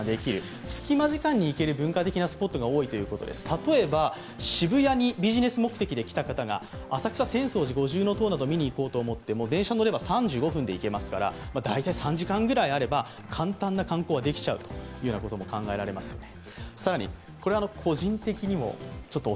例えば渋谷にビジネス目的で来た方が浅草に行こうとしたら浅草寺に行こうとしたら電車に乗れば３５分で行けますから、大体３時間ぐらいあれば簡単な観光はできちゃうということですよね。